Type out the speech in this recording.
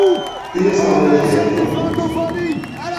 Тыя самыя ж яйкі фарбуюцца.